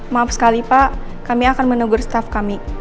maaf sekali pak kami akan menegur staff kami